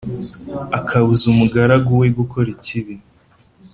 akabuza umugaragu we gukora ikibi.